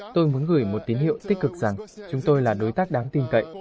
tôi muốn gửi một tín hiệu tích cực rằng chúng tôi là đối tác đáng tin cậy